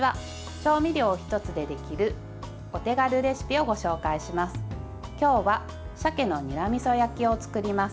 調味料１つでできるお手軽レシピをご紹介します。